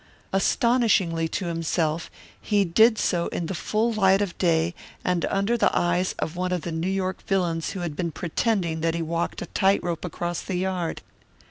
Astonishingly to himself, he did so in the full light of day and under the eyes of one of the New York villains who had been pretending that he walked a tight rope across the yard.